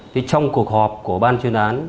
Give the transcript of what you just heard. thì trong cuộc họp của ban chuyên án